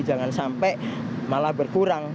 jangan sampai malah berkurang